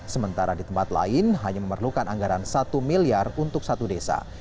sementara di tempat lain hanya memerlukan anggaran satu miliar untuk satu desa